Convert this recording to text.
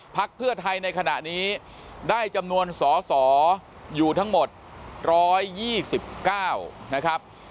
พักเพื่อไทยในขณะนี้ได้จำนวนสอสออยู่ทั้งหมด๑๒๙นะครับ